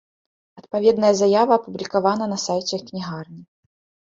Адпаведная заява апублікавана на сайце кнігарні.